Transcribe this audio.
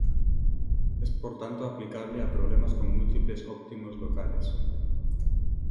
Es por tanto aplicable a problemas con múltiples óptimos locales.